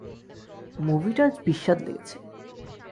মুভিটা আজ বিস্বাদ লেগেছে।